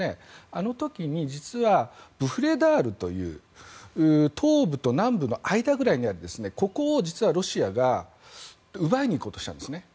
あの時に実はウフレダールという東部と南部の間ぐらいにあるところをロシアが奪いに行こうとしていたんですね。